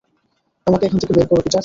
আমাকে এখান থেকে বের করো, পিটার!